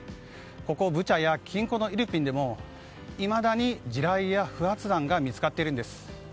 ここブチャや近郊のイルピンでもいまだに地雷や不発弾が見つかっているんです。